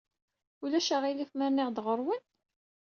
Ulac aɣilif ma rniɣ-d ɣer-wen?